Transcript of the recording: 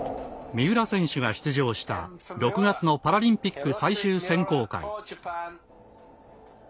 三浦選手が出場した６月のパラリンピック最終選考会。